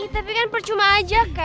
tapi kan percuma aja kak